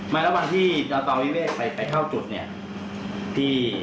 ให้ลูกก็ดูเฟสมาตรกับพ่อมีไลน์ไล่มาเป็นแสนแล้วพ่อ